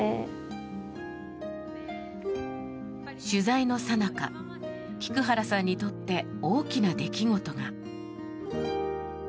取材のさなか菊原さんにとって大きな出来事が。